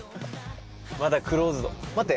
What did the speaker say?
まだクローズド待って！